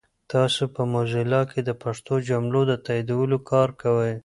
تاسو په موزیلا کې د پښتو جملو د تایدولو کار کوئ؟